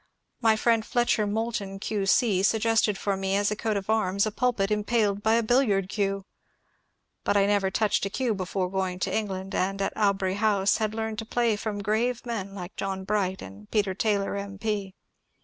My friend Fletcher Moulton Q. C. suggested for me as a coat of arms a pidpit impaled by a bil liard cue. But I never touched a cue before going to Eng land, and at Aubrey House learned to play from grave men like John Bright and Peter Taylor M. P.